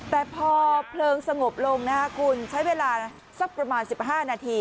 แต่พอเพลิงสงบลงนะครับคุณใช้เวลาสักประมาณ๑๕นาที